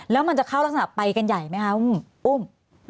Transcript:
แล้วมันจะเข้ารักษณะไปกันใหญ่ไหมคะอุ้ม